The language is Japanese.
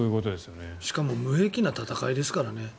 しかも無益な戦いですからね。